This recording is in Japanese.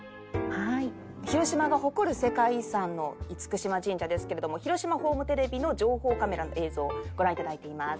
広島が誇る世界遺産の厳島神社ですけれども広島ホームテレビの情報カメラの映像ご覧いただいています。